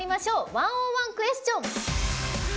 「１０１クエスチョン」。